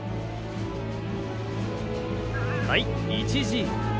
はい１Ｇ。